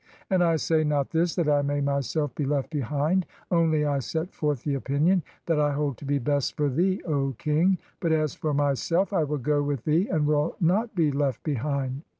And I say not this that I may myself be left behind, only I set forth the opinion that I hold to be best for thee, O King: but as for myself I will go with thee, and will not be left behind."